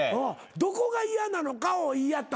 どこが嫌なのかを言い合った方がいいのか。